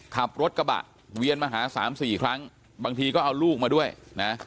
ขับรถกระบะเวียนมาหาสามสี่ครั้งบางทีก็เอาลูกมาด้วยนะ